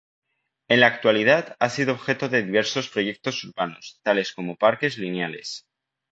En la actualidad, ha sido objeto de diversos proyectos urbanos, tales como parques lineales.